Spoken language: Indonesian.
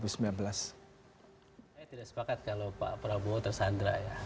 saya tidak sepakat kalau pak prabowo tersandra ya